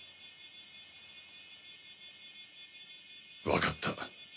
わかった。